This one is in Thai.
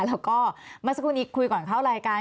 แล้วก็เมื่อสักครู่นี้คุยก่อนเข้ารายการ